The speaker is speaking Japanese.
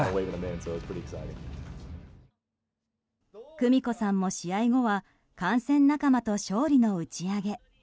久美子さんも試合後は観戦仲間と勝利の打ち上げ。